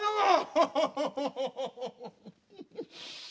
ハハハハ。